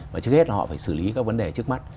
và trước hết là họ phải xử lý các vấn đề trước mắt